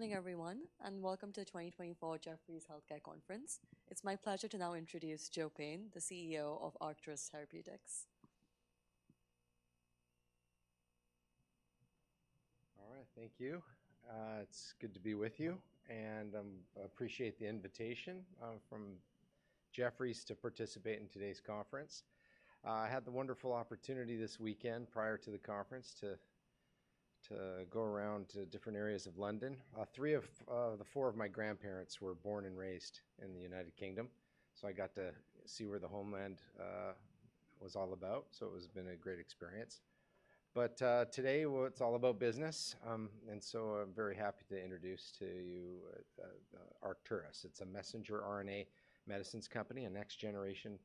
Morning, everyone, and welcome to the 2024 Jefferies Healthcare Conference. It's my pleasure to now introduce Joe Payne, the CEO of Arcturus Therapeutics. All right, thank you. It's good to be with you, and I appreciate the invitation from Jefferies to participate in today's conference. I had the wonderful opportunity this weekend, prior to the conference, to go around to different areas of London. Three of the four of my grandparents were born and raised in the United Kingdom, so I got to see where the homeland was all about, so it has been a great experience. But today, it's all about business, and so I'm very happy to introduce to you Arcturus. It's a messenger RNA medicines company, a next-generation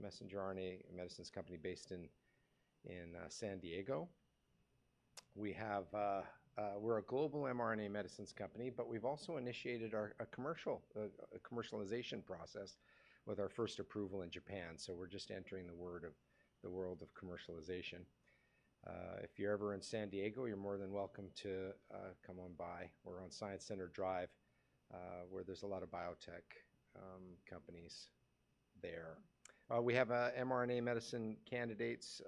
messenger RNA medicines company based in San Diego. We're a global mRNA medicines company, but we've also initiated a commercialization process with our first approval in Japan, so we're just entering the world of commercialization. If you're ever in San Diego, you're more than welcome to come on by. We're on Science Center Drive, where there's a lot of biotech companies there. We have mRNA medicine candidates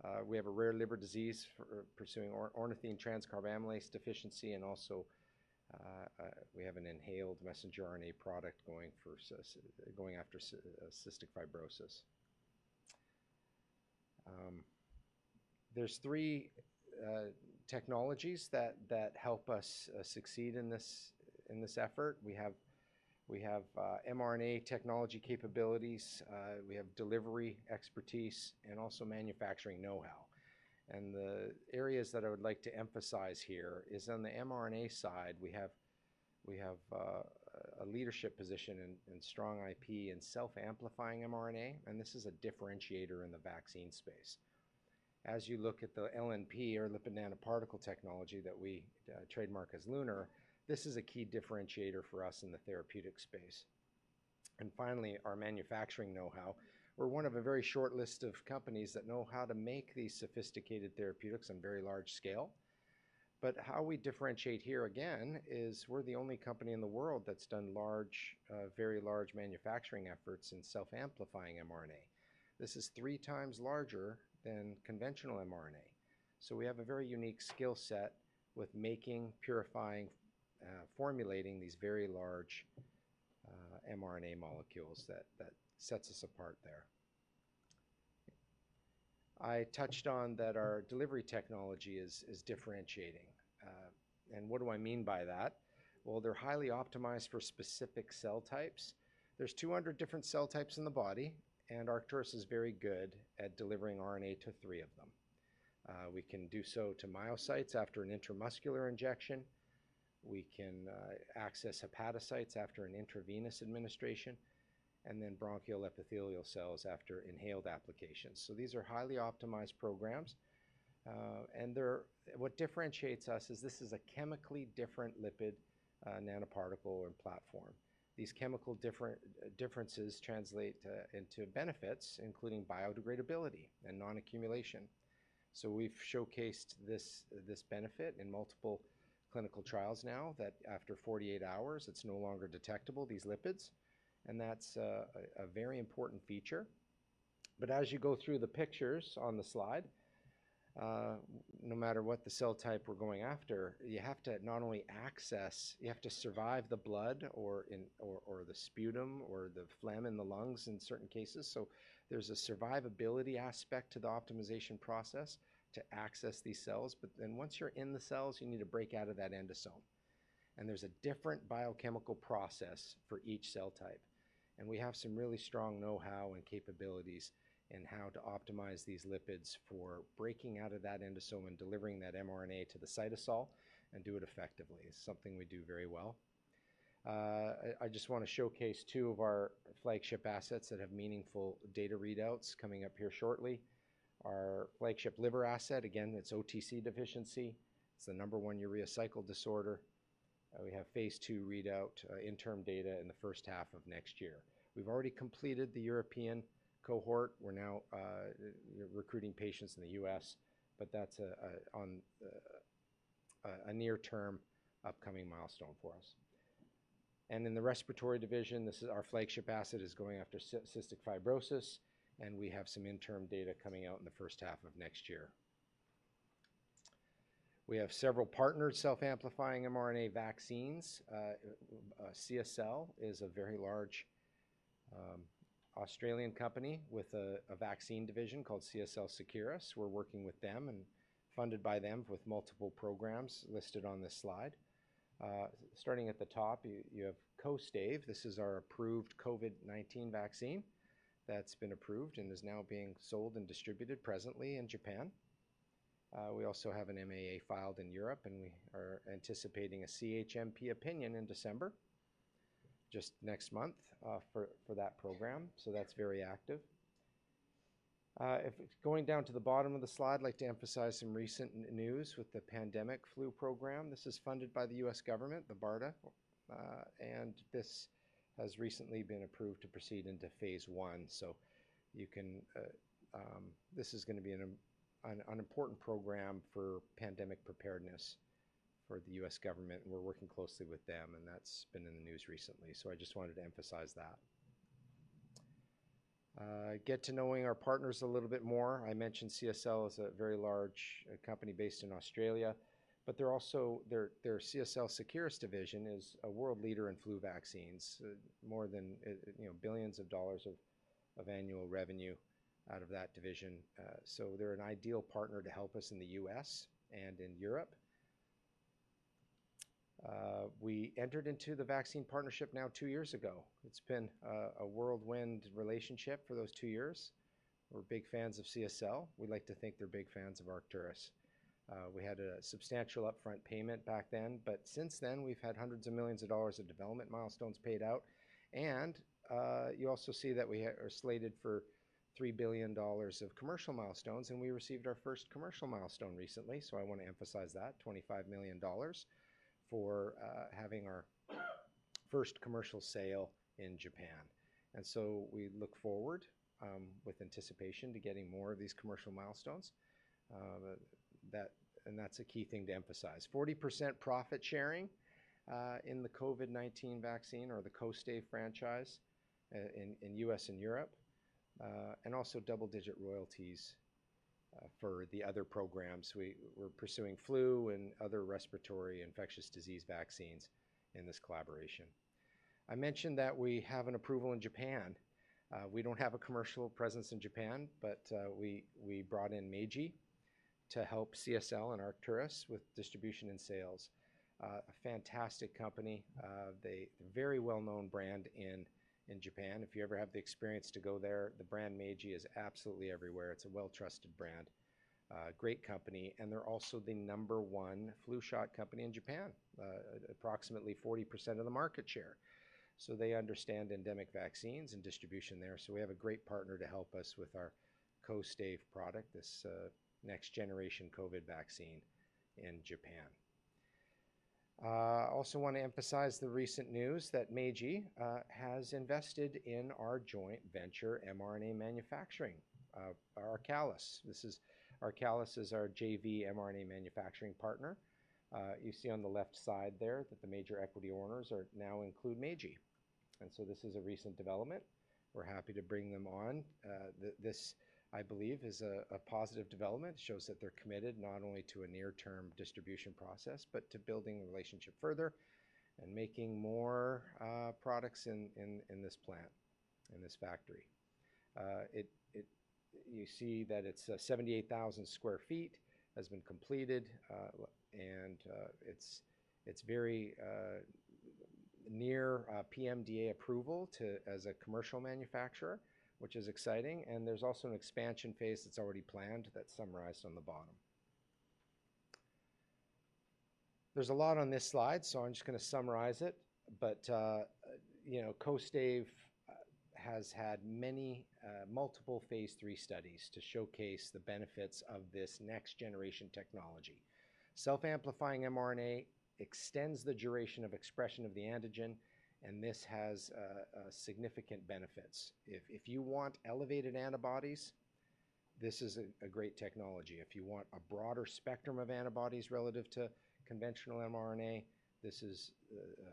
for—we have a rare liver disease pursuing ornithine transcarbamylase deficiency, and also we have an inhaled messenger RNA product going after cystic fibrosis. There's three technologies that help us succeed in this effort. We have mRNA technology capabilities. We have delivery expertise and also manufacturing know-how. And the areas that I would like to emphasize here is, on the mRNA side, we have a leadership position in strong IP and self-amplifying mRNA, and this is a differentiator in the vaccine space. As you look at the LNP, or lipid nanoparticle technology, that we trademark as LUNAR, this is a key differentiator for us in the therapeutic space. And finally, our manufacturing know-how. We're one of a very short list of companies that know how to make these sophisticated therapeutics on very large scale, but how we differentiate here, again, is we're the only company in the world that's done very large manufacturing efforts in self-amplifying mRNA. This is three times larger than conventional mRNA, so we have a very unique skill set with making, purifying, formulating these very large mRNA molecules that sets us apart there. I touched on that our delivery technology is differentiating, and what do I mean by that? Well, they're highly optimized for specific cell types. There's 200 different cell types in the body, and Arcturus is very good at delivering RNA to three of them. We can do so to myocytes after an intramuscular injection. We can access hepatocytes after an intravenous administration, and then bronchial epithelial cells after inhaled applications, so these are highly optimized programs. What differentiates us is this is a chemically different lipid nanoparticle and platform. These chemical differences translate into benefits, including biodegradability and non-accumulation. We've showcased this benefit in multiple clinical trials now that after 48 hours, it's no longer detectable, these lipids. That's a very important feature. As you go through the pictures on the slide, no matter what the cell type we're going after, you have to not only access. You have to survive the blood or the sputum or the phlegm in the lungs in certain cases. There's a survivability aspect to the optimization process to access these cells. Then once you're in the cells, you need to break out of that endosome. There's a different biochemical process for each cell type. We have some really strong know-how and capabilities in how to optimize these lipids for breaking out of that endosome and delivering that mRNA to the cytosol and do it effectively. It's something we do very well. I just want to showcase two of our flagship assets that have meaningful data readouts coming up here shortly. Our flagship liver asset, again, it's OTC deficiency. It's the number one urea cycle disorder. We have phase two readout interim data in the first half of next year. We've already completed the European cohort. We're now recruiting patients in the U.S., but that's a near-term upcoming milestone for us. In the respiratory division, our flagship asset is going after cystic fibrosis, and we have some interim data coming out in the first half of next year. We have several partnered self-amplifying mRNA vaccines. CSL is a very large Australian company with a vaccine division called CSL Seqirus. We're working with them and funded by them with multiple programs listed on this slide. Starting at the top, you have KOSTAIVE. This is our approved COVID-19 vaccine that's been approved and is now being sold and distributed presently in Japan. We also have an MAA filed in Europe, and we are anticipating a CHMP opinion in December, just next month, for that program. So that's very active. Going down to the bottom of the slide, I'd like to emphasize some recent news with the pandemic flu program. This is funded by the U.S. government, the BARDA, and this has recently been approved to proceed into phase 1. So this is going to be an important program for pandemic preparedness for the U.S. government. We're working closely with them, and that's been in the news recently. So I just wanted to emphasize that. Get to knowing our partners a little bit more. I mentioned CSL is a very large company based in Australia, but their CSL Seqirus division is a world leader in flu vaccines, more than billions of dollars of annual revenue out of that division. So they're an ideal partner to help us in the U.S. and in Europe. We entered into the vaccine partnership now two years ago. It's been a whirlwind relationship for those two years. We're big fans of CSL. We'd like to think they're big fans of Arcturus. We had a substantial upfront payment back then, but since then, we've had hundreds of millions of dollars of development milestones paid out. And you also see that we are slated for $3 billion of commercial milestones, and we received our first commercial milestone recently. So I want to emphasize that: $25 million for having our first commercial sale in Japan. And so we look forward with anticipation to getting more of these commercial milestones. And that's a key thing to emphasize: 40% profit sharing in the COVID-19 vaccine or the KOSTAIVE franchise in the U.S. and Europe, and also double-digit royalties for the other programs. We're pursuing flu and other respiratory infectious disease vaccines in this collaboration. I mentioned that we have an approval in Japan. We don't have a commercial presence in Japan, but we brought in Meiji to help CSL and Arcturus with distribution and sales. A fantastic company. They're a very well-known brand in Japan. If you ever have the experience to go there, the brand Meiji is absolutely everywhere. It's a well-trusted brand, a great company. They're also the number one flu shot company in Japan, approximately 40% of the market share. So they understand endemic vaccines and distribution there. So we have a great partner to help us with our KOSTAIVE product, this next-generation COVID vaccine in Japan. I also want to emphasize the recent news that Meiji has invested in our joint venture mRNA manufacturing, Arcalis. Arcalis is our JV mRNA manufacturing partner. You see on the left side there that the major equity owners now include Meiji. And so this is a recent development. We're happy to bring them on. This, I believe, is a positive development. It shows that they're committed not only to a near-term distribution process, but to building the relationship further and making more products in this plant, in this factory. You see that it's 78,000 sq ft, has been completed, and it's very near PMDA approval as a commercial manufacturer, which is exciting. And there's also an expansion phase that's already planned that's summarized on the bottom. There's a lot on this slide, so I'm just going to summarize it. But KOSTAIVE has had many multiple phase 3 studies to showcase the benefits of this next-generation technology. Self-amplifying mRNA extends the duration of expression of the antigen, and this has significant benefits. If you want elevated antibodies, this is a great technology. If you want a broader spectrum of antibodies relative to conventional mRNA, this is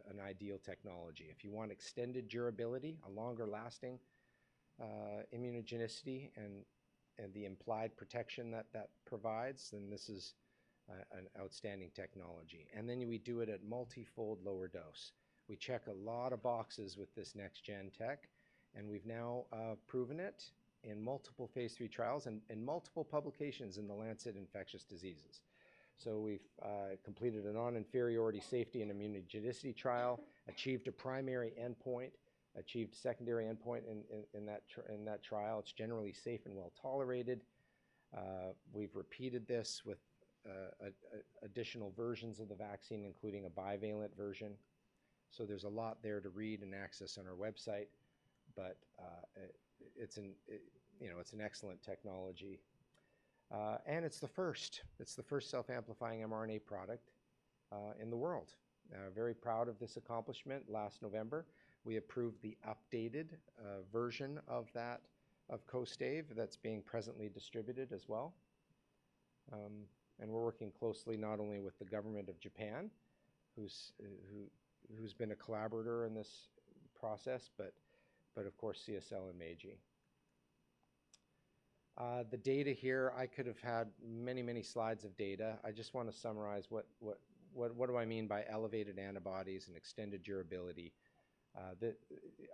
an ideal technology. If you want extended durability, a longer lasting immunogenicity, and the implied protection that that provides, then this is an outstanding technology. And then we do it at multifold lower dose. We check a lot of boxes with this next-gen tech, and we've now proven it in multiple phase three trials and in multiple publications in the Lancet Infectious Diseases. So we've completed a non-inferiority safety and immunogenicity trial, achieved a primary endpoint, achieved a secondary endpoint in that trial. It's generally safe and well tolerated. We've repeated this with additional versions of the vaccine, including a bivalent version. So there's a lot there to read and access on our website, but it's an excellent technology. And it's the first. It's the first self-amplifying mRNA product in the world. Very proud of this accomplishment. Last November, we approved the updated version of that of KOSTAIVE that's being presently distributed as well. And we're working closely not only with the government of Japan, who's been a collaborator in this process, but of course, CSL and Meiji. The data here, I could have had many, many slides of data. I just want to summarize what do I mean by elevated antibodies and extended durability?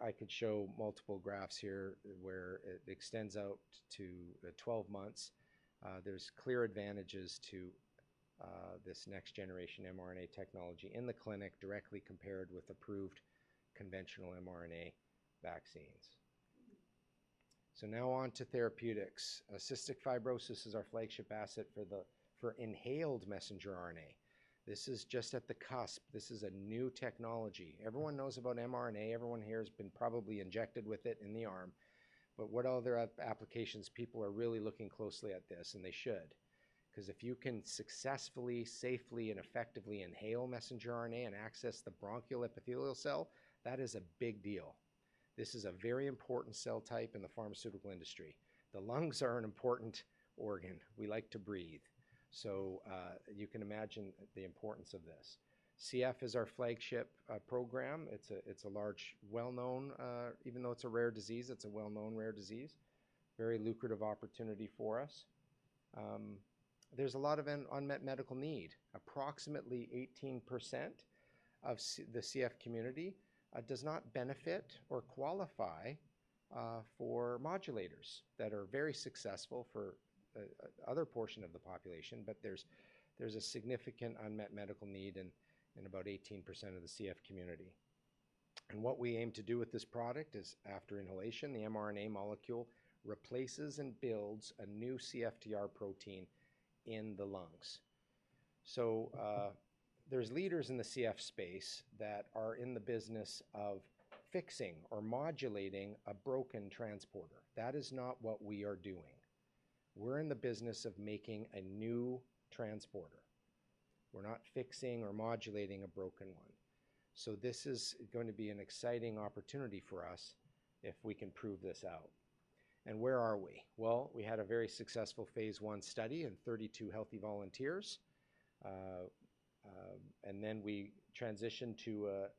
I could show multiple graphs here where it extends out to 12 months. There's clear advantages to this next-generation mRNA technology in the clinic directly compared with approved conventional mRNA vaccines. So now on to therapeutics. Cystic fibrosis is our flagship asset for inhaled messenger RNA. This is just at the cusp. This is a new technology. Everyone knows about mRNA. Everyone here has been probably injected with it in the arm. But what other applications? People are really looking closely at this, and they should. Because if you can successfully, safely, and effectively inhale messenger RNA and access the bronchial epithelial cell, that is a big deal. This is a very important cell type in the pharmaceutical industry. The lungs are an important organ. We like to breathe. So you can imagine the importance of this. CF is our flagship program. It's a large, well-known, even though it's a rare disease, it's a well-known rare disease. Very lucrative opportunity for us. There's a lot of unmet medical need. Approximately 18% of the CF community does not benefit or qualify for modulators that are very successful for the other portion of the population. But there's a significant unmet medical need in about 18% of the CF community. And what we aim to do with this product is, after inhalation, the mRNA molecule replaces and builds a new CFTR protein in the lungs. So there's leaders in the CF space that are in the business of fixing or modulating a broken transporter. That is not what we are doing. We're in the business of making a new transporter. We're not fixing or modulating a broken one, so this is going to be an exciting opportunity for us if we can prove this out, and where are we? Well, we had a very successful phase 1 study in 32 healthy volunteers, and then we transitioned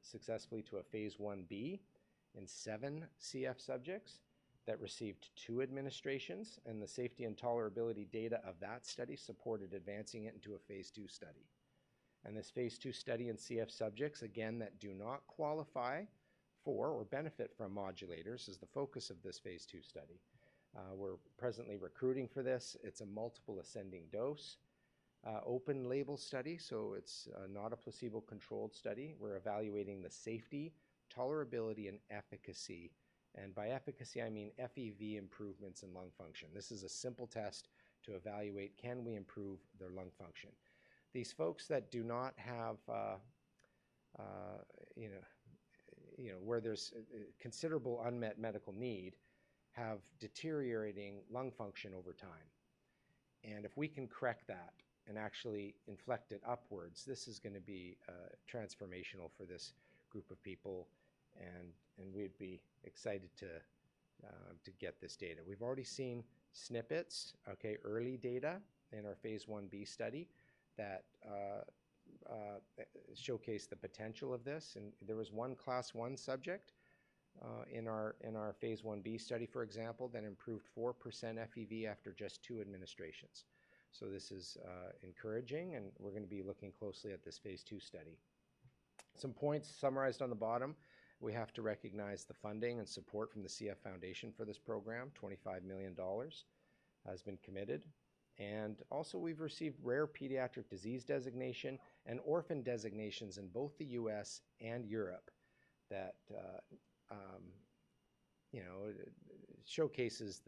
successfully to a phase 1b in seven CF subjects that received two administrations. And the safety and tolerability data of that study supported advancing it into a phase 2 study, and this phase 2 study in CF subjects, again, that do not qualify for or benefit from modulators is the focus of this phase 2 study. We're presently recruiting for this. It's a multiple ascending dose open-label study, so it's not a placebo-controlled study. We're evaluating the safety, tolerability, and efficacy, and by efficacy, I mean FEV improvements in lung function. This is a simple test to evaluate, can we improve their lung function? These folks that do not have where there's considerable unmet medical need have deteriorating lung function over time. And if we can correct that and actually inflect it upwards, this is going to be transformational for this group of people. And we'd be excited to get this data. We've already seen snippets, okay, early data in our phase 1b study that showcase the potential of this. And there was one Cass I subject in our phase 1b study, for example, that improved 4% FEV after just two administrations. So this is encouraging, and we're going to be looking closely at this phase 2 study. Some points summarized on the bottom. We have to recognize the funding and support from the CF Foundation for this program. $25 million has been committed. And also, we've received rare pediatric disease designation and orphan designations in both the U.S. and Europe that showcases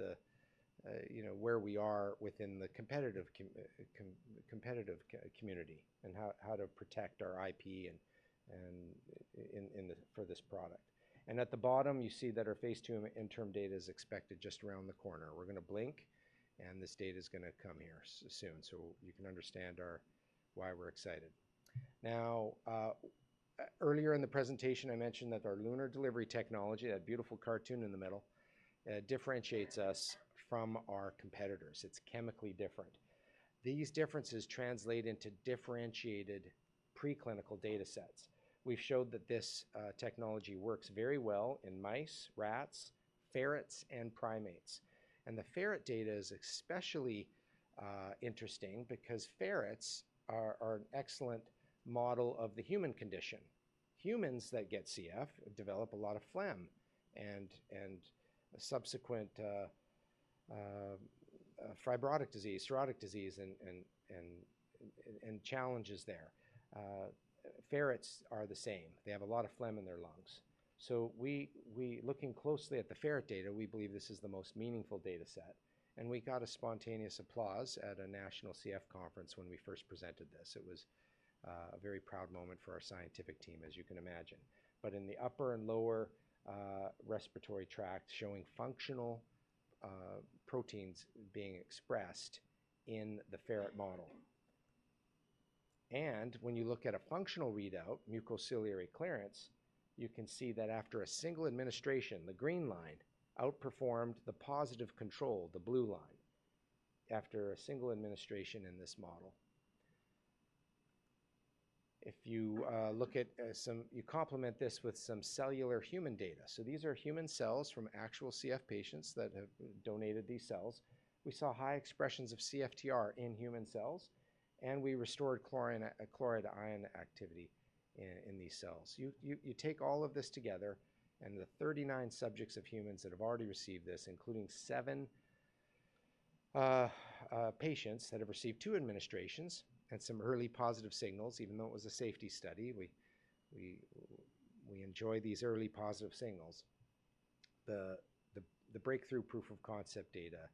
where we are within the competitive community and how to protect our IP for this product. And at the bottom, you see that our phase 2 interim data is expected just around the corner. We're going to blink, and this data is going to come here soon so you can understand why we're excited. Now, earlier in the presentation, I mentioned that our LUNAR delivery technology, that beautiful cartoon in the middle, differentiates us from our competitors. It's chemically different. These differences translate into differentiated preclinical data sets. We've showed that this technology works very well in mice, rats, ferrets, and primates. And the ferret data is especially interesting because ferrets are an excellent model of the human condition. Humans that get CF develop a lot of phlegm and subsequent fibrotic disease, cirrhotic disease, and challenges there. Ferrets are the same. They have a lot of phlegm in their lungs, so looking closely at the ferret data, we believe this is the most meaningful data set. We got a spontaneous applause at a national CF conference when we first presented this. It was a very proud moment for our scientific team, as you can imagine, but in the upper and lower respiratory tract showing functional proteins being expressed in the ferret model, and when you look at a functional readout, mucociliary clearance, you can see that after a single administration, the green line outperformed the positive control, the blue line, after a single administration in this model. If you look at some, you complement this with some cellular human data. So these are human cells from actual CF patients that have donated these cells. We saw high expressions of CFTR in human cells, and we restored chloride ion activity in these cells. You take all of this together, and the 39 subjects of humans that have already received this, including seven patients that have received two administrations and some early positive signals, even though it was a safety study, we enjoy these early positive signals. The breakthrough proof of concept data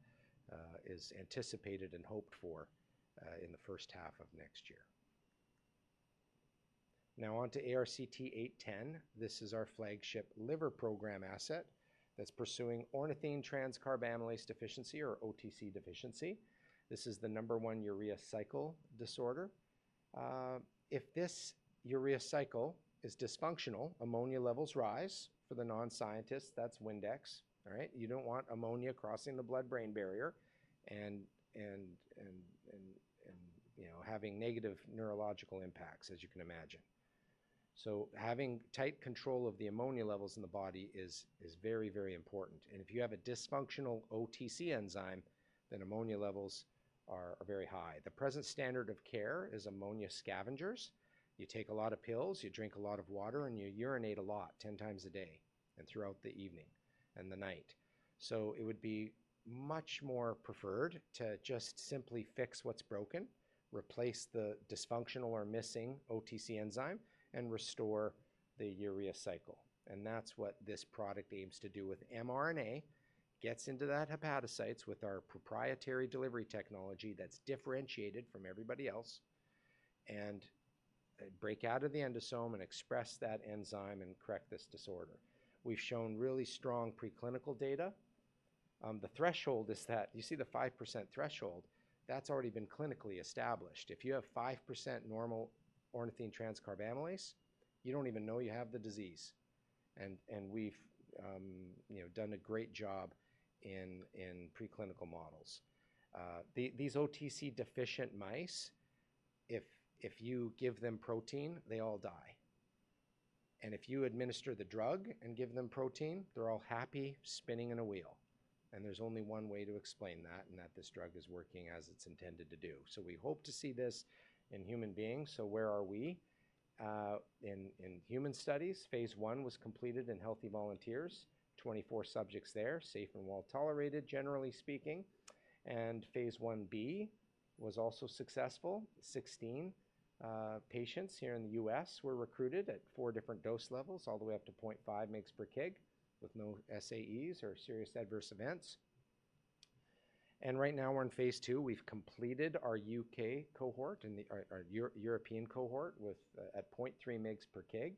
is anticipated and hoped for in the first half of next year. Now on to ARCT-810. This is our flagship liver program asset that's pursuing ornithine transcarbamylase deficiency, or OTC deficiency. This is the number one urea cycle disorder. If this urea cycle is dysfunctional, ammonia levels rise. For the non-scientists, that's Windex. All right? You don't want ammonia crossing the blood-brain barrier and having negative neurological impacts, as you can imagine, so having tight control of the ammonia levels in the body is very, very important, and if you have a dysfunctional OTC enzyme, then ammonia levels are very high. The present standard of care is ammonia scavengers. You take a lot of pills, you drink a lot of water, and you urinate a lot, 10 times a day and throughout the evening and the night, so it would be much more preferred to just simply fix what's broken, replace the dysfunctional or missing OTC enzyme, and restore the urea cycle, and that's what this product aims to do with mRNA, gets into the hepatocytes with our proprietary delivery technology that's differentiated from everybody else, and break out of the endosome and express that enzyme and correct this disorder. We've shown really strong preclinical data. The threshold is that you see the 5% threshold, that's already been clinically established. If you have 5% normal ornithine transcarbamylase, you don't even know you have the disease. And we've done a great job in preclinical models. These OTC deficient mice, if you give them protein, they all die. And if you administer the drug and give them protein, they're all happy spinning in a wheel. And there's only one way to explain that and that this drug is working as it's intended to do. So we hope to see this in human beings. So where are we? In human studies, phase one was completed in healthy volunteers, 24 subjects there, safe and well tolerated, generally speaking. And phase 1b was also successful. 16 patients here in the U.S. were recruited at four different dose levels, all the way up to 0.5 mg/kg with no SAEs or serious adverse events, and right now, we're in phase 2. We've completed our U.K. cohort and our European cohort at 0.3 mg/kg,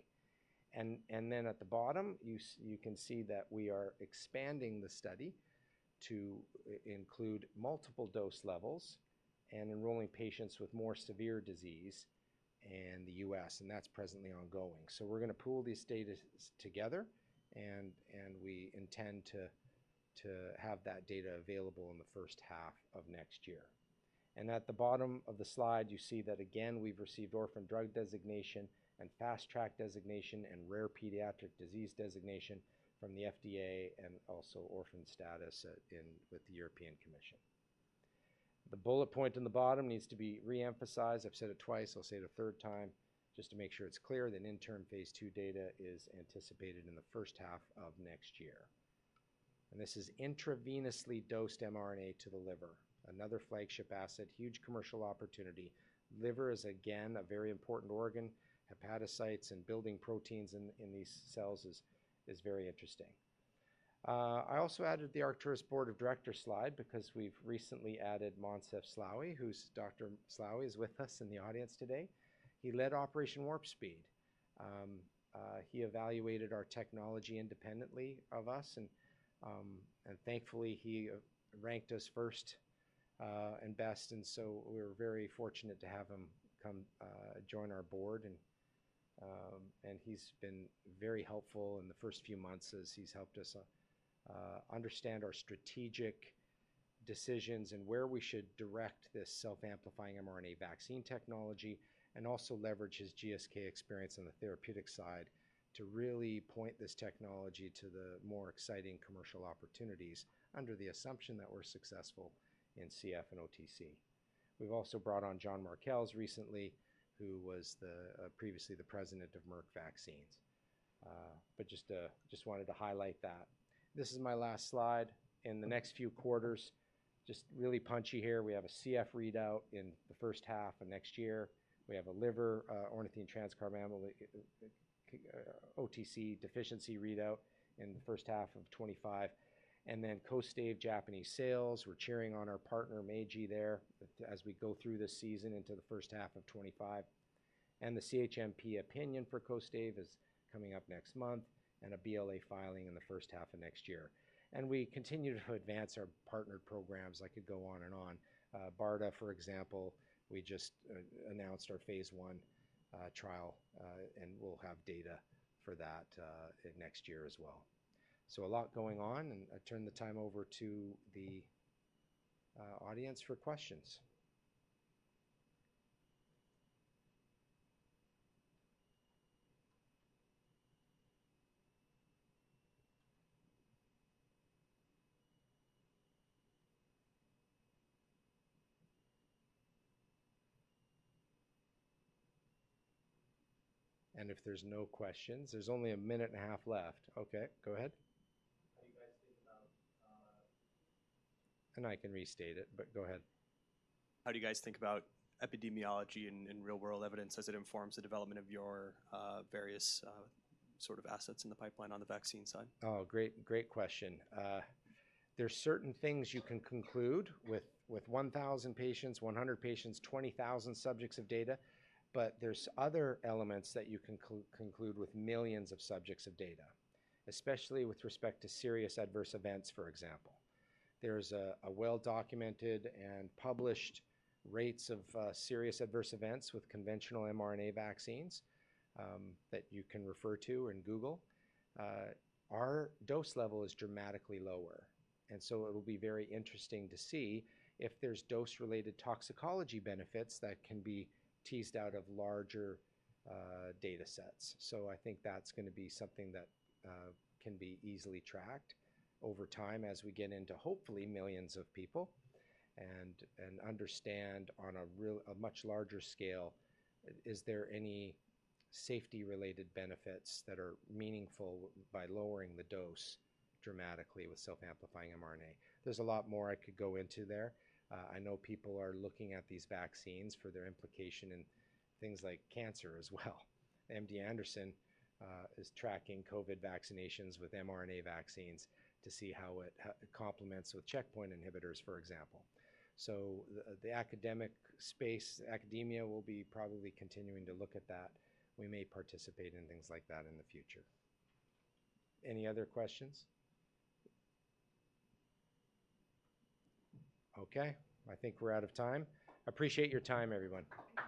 and then at the bottom, you can see that we are expanding the study to include multiple dose levels and enrolling patients with more severe disease in the U.S., and that's presently ongoing, so we're going to pool these data together, and we intend to have that data available in the first half of next year, and at the bottom of the slide, you see that, again, we've received orphan drug designation and fast track designation and rare pediatric disease designation from the FDA and also orphan status with the European Commission. The bullet point on the bottom needs to be reemphasized. I've said it twice. I'll say it a third time just to make sure it's clear that interim phase two data is anticipated in the first half of next year. And this is intravenously dosed mRNA to the liver, another flagship asset, huge commercial opportunity. Liver is, again, a very important organ. Hepatocytes and building proteins in these cells is very interesting. I also added the Arcturus Board of Directors slide because we've recently added Moncef Slaoui, who's Dr. Slaoui is with us in the audience today. He led Operation Warp Speed. He evaluated our technology independently of us. And thankfully, he ranked us first and best. And so we were very fortunate to have him come join our board. And he's been very helpful in the first few months as he's helped us understand our strategic decisions and where we should direct this self-amplifying mRNA vaccine technology and also leverage his GSK experience on the therapeutic side to really point this technology to the more exciting commercial opportunities under the assumption that we're successful in CF and OTC. We've also brought on John Markels recently, who was previously the president of Merck Vaccines. But just wanted to highlight that. This is my last slide. In the next few quarters, just really punchy here, we have a CF readout in the first half of next year. We have a liver ornithine transcarbamylase OTC deficiency readout in the first half of 2025. And then KOSTAIVE Japanese sales. We're cheering on our partner, Meiji, there as we go through this season into the first half of 2025. The CHMP opinion for KOSTAIVE is coming up next month and a BLA filing in the first half of next year. We continue to advance our partnered programs. I could go on and on. BARDA, for example, we just announced our phase one trial, and we'll have data for that next year as well. A lot going on. I turn the time over to the audience for questions. If there's no questions, there's only a minute and a half left. Okay. Go ahead. I can restate it, but go ahead. How do you guys think about epidemiology and real-world evidence as it informs the development of your various sort of assets in the pipeline on the vaccine side? Oh, great, great question. There are certain things you can conclude with 1,000 patients, 100 patients, 20,000 subjects of data. But there are other elements that you can conclude with millions of subjects of data, especially with respect to serious adverse events, for example. There are well-documented and published rates of serious adverse events with conventional mRNA vaccines that you can refer to and Google. Our dose level is dramatically lower. And so it will be very interesting to see if there are dose-related toxicology benefits that can be teased out of larger data sets. So I think that's going to be something that can be easily tracked over time as we get into, hopefully, millions of people and understand on a much larger scale, is there any safety-related benefits that are meaningful by lowering the dose dramatically with self-amplifying mRNA? There's a lot more I could go into there. I know people are looking at these vaccines for their implication in things like cancer as well. MD Anderson is tracking COVID vaccinations with mRNA vaccines to see how it complements with checkpoint inhibitors, for example. So the academic space, academia will be probably continuing to look at that. We may participate in things like that in the future. Any other questions? Okay. I think we're out of time. I appreciate your time, everyone.